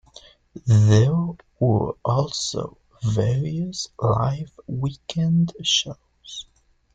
There were also various live weekend shows.